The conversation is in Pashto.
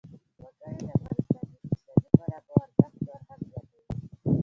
وګړي د افغانستان د اقتصادي منابعو ارزښت نور هم زیاتوي.